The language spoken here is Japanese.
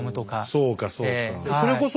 そうかそうか。